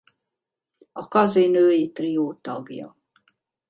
A Kazi női trió tagja.